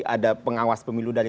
ada pengawas pemilu dari